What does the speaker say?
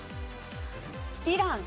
イラン。